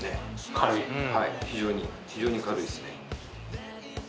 はい非常に非常に軽いですね